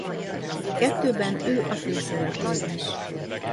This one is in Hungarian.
Kettőben ő a főszereplő is.